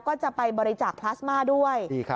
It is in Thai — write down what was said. ก็จะไปบริจาคพลาสมาด้วย